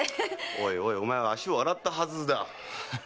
おいおいお前は足を洗ったはずだ。